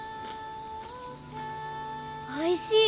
おいしい。